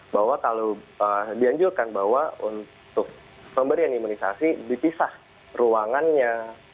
bahwa kalau dianjurkan bahwa untuk pemberian imunisasi dipisah ruangannya